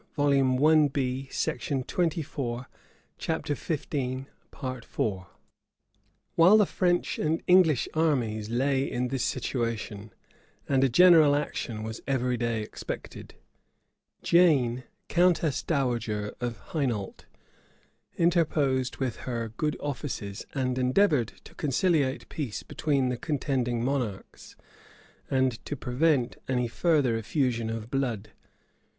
* Du Tillet, Recueil de Traités, etc. Heming. p. 325, 326. Walsing, p. 149. While the French and English armies lay in this situation, and a general action was every day expected, Jane, countess dowager of Hainault, interposed with her good offices, and endeavored to conciliate peace between the contending monarchs, and to prevent any further effusion of blood.